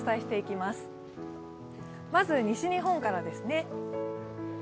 まず西日本からですね。